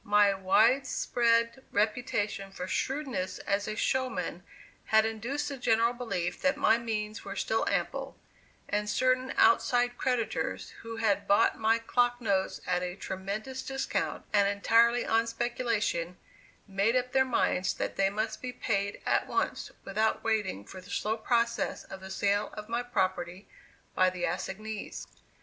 My wides pread reputation for shrewdness as a showman had induced the general belief that my means were still ample, and certain outside creditors who had bought my clock notes at a tremendous discount and entirely on speculation, made up their minds that they must be paid at once without waiting for the slow process of the sale of my property by the assignees.